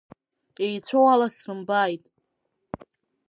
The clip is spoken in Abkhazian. Еицәоу ала срымбааит…